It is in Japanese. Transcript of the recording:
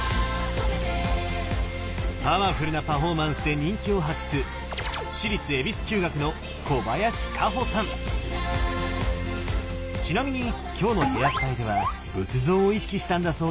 パワフルなパフォーマンスで人気を博すちなみに今日のヘアスタイルは仏像を意識したんだそうですよ！